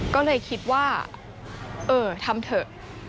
ก็เลยคิดว่าเออทำเถอะ